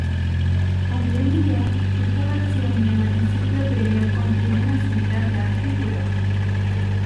Hoy en día esta versión de la enciclopedia contiene la cifra de artículos.